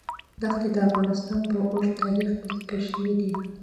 دښتې د افغانستان په اوږده تاریخ کې ذکر شوی دی.